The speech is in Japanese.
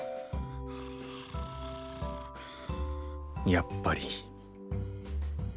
やっぱり。